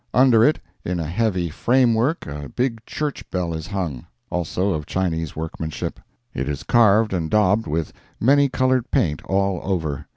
Under it, in a heavy frame work, a big church bell is hung, also of Chinese workmanship; it is carved and daubed with many colored paint all over.